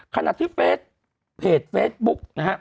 ขณะที่เฟสเฟสบุ๊คนะครับ